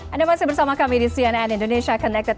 anda masih bersama kami di cnn indonesia connected